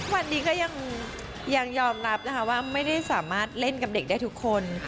วันนี้ก็ยังยอมรับนะคะว่าไม่ได้สามารถเล่นกับเด็กได้ทุกคน